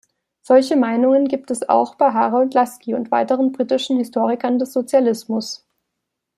Solche Meinungen gibt es auch bei Harold Laski und weiteren britischen Historikern des Sozialismus.